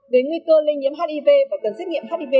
về nguy cơ lây nhiễm hiv và cần xét nghiệm hiv